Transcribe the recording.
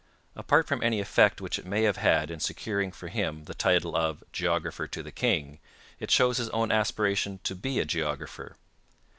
Apart from any effect which it may have had in securing for him the title of Geographer to the King, it shows his own aspiration to be a geographer.